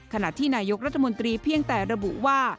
ขณะที่นายกรัฐมนตรีเพียงแต่ระบุว่า